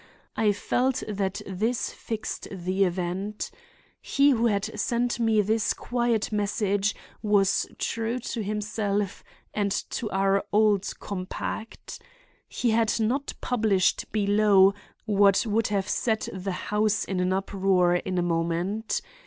I felt that this fixed the event. He who had sent me this quiet message was true to himself and to our old compact. He had not published below what would have set the house in an uproar in a moment.